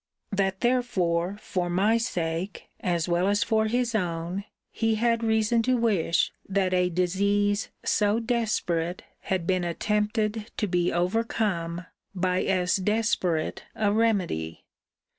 'That therefore for my sake, as well as for his own, he had reason to wish that a disease so desperate had been attempted to be overcome by as desperate a remedy.